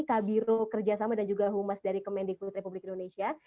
kabiro kerjasama dan juga humas dari kemendikbud republik indonesia